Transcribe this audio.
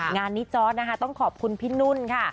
งานนี้จอร์ดนะคะต้องขอบคุณพี่นุ่นค่ะ